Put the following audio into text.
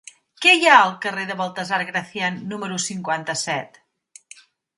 Què hi ha al carrer de Baltasar Gracián número cinquanta-set?